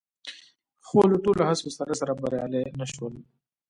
خو له ټولو هڅو سره سره بریالي نه شول